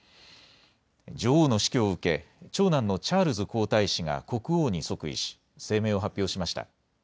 女王の死去を受け長男のチャールズ皇太子が国王に即位し声明を発表しました。